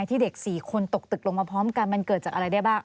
ที่เด็ก๔คนตกตึกลงมาพร้อมกันมันเกิดจากอะไรได้บ้าง